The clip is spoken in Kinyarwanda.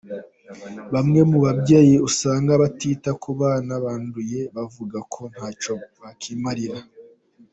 Bamwe mu babyeyi usanga batita ku bana banduye bavuga ko ntacyo bakiramira.